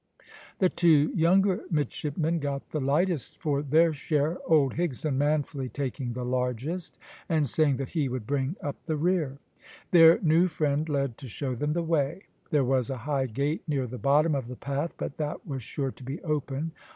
The two younger midshipmen got the lightest for their share, old Higson manfully taking the largest, and saying that he would bring up the rear. Their new friend led to show them the way. There was a high gate near the bottom of the path, but that was sure to be open.